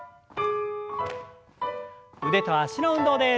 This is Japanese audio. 腕と脚の運動です。